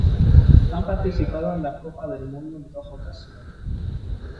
Han participado en la Copa del Mundo en dos ocasiones.